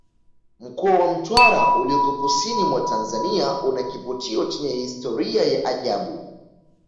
mkoa wa mtwara ulioko kusini mwa tanzania una kivutio chenye historia ya ajabu